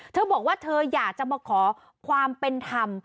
เธอบอกว่าเธออยากจะมาขอความเป็นธรรม